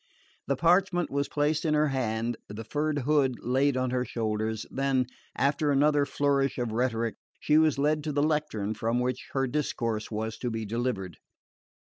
The parchment was placed in her hand, the furred hood laid on her shoulders; then, after another flourish of rhetoric, she was led to the lectern from which her discourse was to be delivered.